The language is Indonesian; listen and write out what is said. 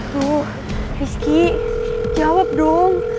tuh rizky jawab dong